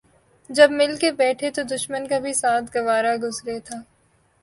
جب مل بیٹھے تو دشمن کا بھی ساتھ گوارا گزرے تھا